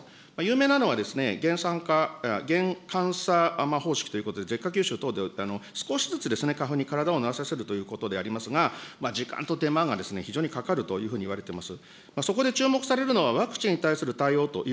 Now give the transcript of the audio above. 有名なのは、げんさんか、げんさんか方式というもので、舌下吸収等で少しずつ花粉に体を慣れさせるということでありますが、時間と手間が非常にかかるというふうにいわれています。